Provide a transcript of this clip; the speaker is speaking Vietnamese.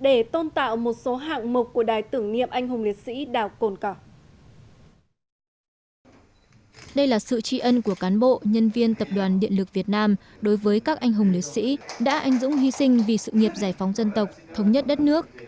đây là sự tri ân của cán bộ nhân viên tập đoàn điện lực việt nam đối với các anh hùng liệt sĩ đã anh dũng hy sinh vì sự nghiệp giải phóng dân tộc thống nhất đất nước